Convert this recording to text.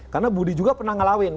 karena budi juga pernah ngelawin